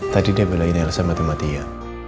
tadi dia belain elsa mati matinya